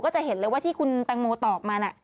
จะเห็นเลยว่าที่คุณแตงโมตอบมาน่ะ